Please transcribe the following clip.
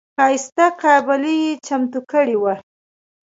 ښایسته قابلي یې چمتو کړې وه.